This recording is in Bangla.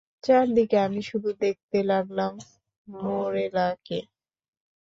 চারদিকে আমি শুধু দেখতে লাগলাম মোরেলাকে।